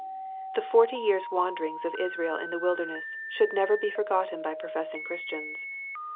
— The forty years wanderings of Israel in the wilderness, should never be forgotten by professing Christians.